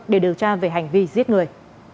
để điều tra về hành vi giết người